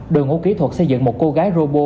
đội ngũ kỹ thuật xây dựng một cô gái robot